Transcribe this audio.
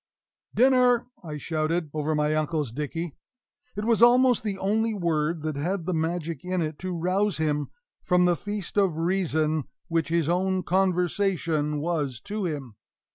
"Dinner!" I shouted over my uncle's dickey. It was almost the only word that had the magic in it to rouse him from the feast of reason which his own conversation was to him.